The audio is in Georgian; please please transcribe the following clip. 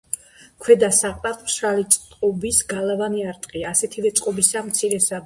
ქვედა საყდარს მშრალი წყობის გალავანი არტყია, ასეთივე წყობისაა მცირე სადგომები.